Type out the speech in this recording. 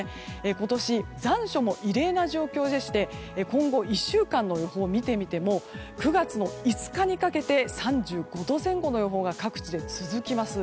今年、残暑も異例な状況でして今後１週間の予報を見てみても９月の５日にかけて３５度前後の予報が各地で続きます。